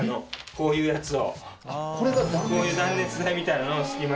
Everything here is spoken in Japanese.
こういう断熱材みたいなのを隙間にこう入れて。